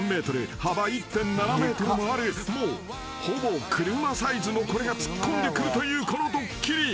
幅１．７ｍもあるもうほぼ車サイズのこれが突っ込んでくるというこのドッキリ］